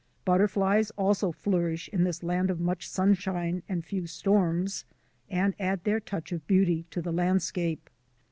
Butterflies also flourish in this land of much sunshine and few storms, and add their touch of beauty to the land scape.